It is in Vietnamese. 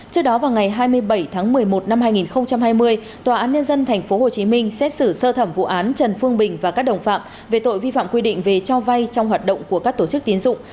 trước đó vào ngày hai mươi bảy tháng một mươi một năm hai nghìn hai mươi tòa án nhân dân tp hcm xét xử sơ thẩm vụ án trần phương bình và các đồng phạm về tội vi phạm quy định về cho vay trong hoạt động của các tổ chức tiến dụng